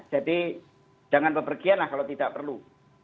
jadi jangan pepergian lah kalau tidak perlu